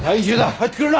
入ってくるな